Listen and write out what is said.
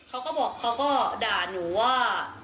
เขาก็บอกเขาก็ด่าหนูว่า